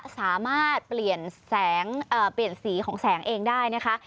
สามารถเปลี่ยนสีของแสงเองได้นะคะ